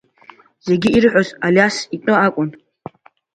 Зегьы ирҳәоз Алиас итәы акәын.